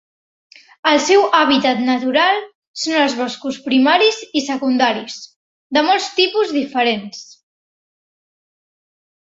El seu hàbitat natural són els boscos primaris i secundaris de molts tipus diferents.